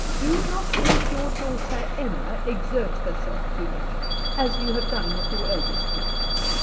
Do not make your daughter Emma exert herself too much, as you have done with your eldest daughter.